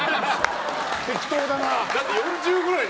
適当だな。